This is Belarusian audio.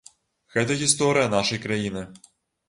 Гэта гісторыя нашай краіны!